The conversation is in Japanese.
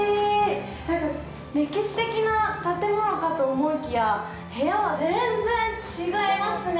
なんか歴史的な建物かと思いきや部屋は全然違いますね。